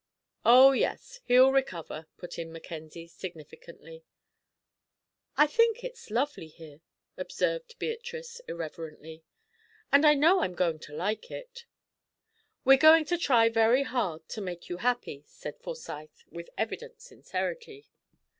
"Oh, yes, he'll recover," put in Mackenzie, significantly. "I think it's lovely here," observed Beatrice, irrelevantly, "and I know I'm going to like it." "We're going to try very hard to make you happy," said Forsyth, with evident sincerity.